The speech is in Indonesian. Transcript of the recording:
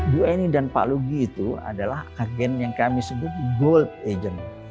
bu eni dan pak lugi itu adalah agen yang kami sebut gold agent